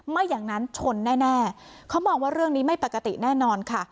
ไม่อย่างนั้นชนแน่เขามองว่าเรื่องนี้ไม่ปกติแน่นอนค่ะ